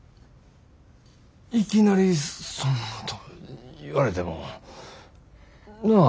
いきなりそんなこと言われてもなあ。